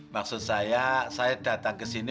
maksud saya saya datang kesini